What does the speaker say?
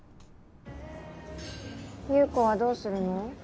優子はどうするの？